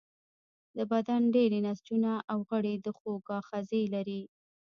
د بدن ډیری نسجونه او غړي د خوږ آخذې لري.